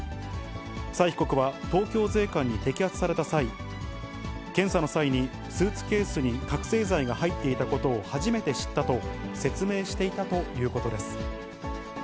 蔡被告は東京税関に摘発された際、検査の際にスーツケースに覚醒剤が入っていたことを初めて知ったと説明していたということです。